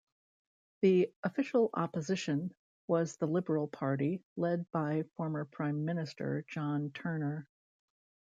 The Official Opposition was the Liberal Party, led by former prime minister John Turner.